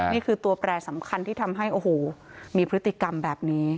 นี่คือตัวแปรสำคัญที่ทำให้โอ้โหมีพฤติกรรมแบบนี้